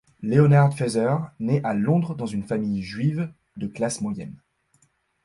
Leonard Feather naît à Londres dans une famille juive de classe moyenne.